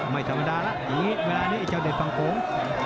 ไม่ธรรมดาแล้วอย่างนี้เวลานี้ไอ้เจ้าเด็ดฟังโขง